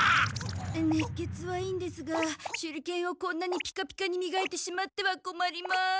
熱血はいいんですが手裏剣をこんなにピカピカにみがいてしまってはこまります。